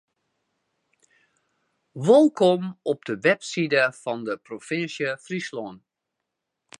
Wolkom op de webside fan de provinsje Fryslân.